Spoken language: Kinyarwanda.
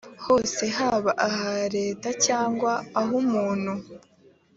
hose haba aha leta cyangwa ah’umuntu